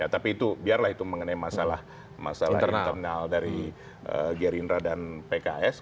tapi itu biarlah itu mengenai masalah internal dari gerindra dan pks